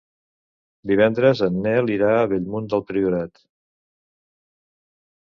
Divendres en Nel irà a Bellmunt del Priorat.